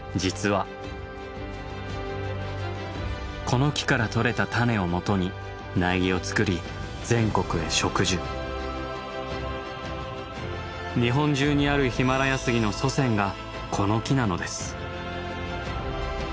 この木から取れた種をもとに苗木を作り日本中にあるヒマラヤスギの祖先がこの木なのです。